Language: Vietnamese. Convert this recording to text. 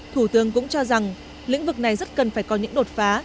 thủ tướng cũng cho rằng lĩnh vực này rất cần phải có những đột phá